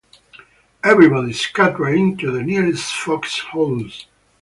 Everybody scattered into the nearest fox holes.